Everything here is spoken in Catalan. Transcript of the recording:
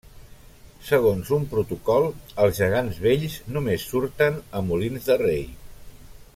Segons un Protocol, els Gegants Vells només surten a Molins de Rei.